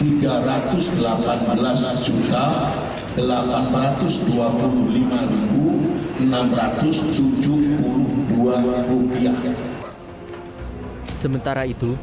sementara itu eva melakukan penyitaan yang berbeda